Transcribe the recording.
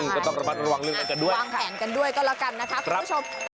ก็ต้องระมัดระวังเรื่องกันกันด้วยวางแผนกันด้วยก็แล้วกันนะคะคุณผู้ชม